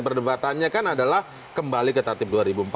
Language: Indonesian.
perdebatannya kan adalah kembali ke tatip dua ribu empat belas